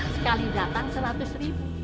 sekali datang seratus ribu